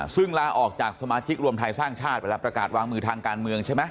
ซึ่งลาออกจากสมาชิกรวมไทยสร้างชาติไปแล้วประกาศวางมือทางการเมืองใช่ไหม